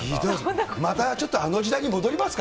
またちょっとあの時代に戻りますか？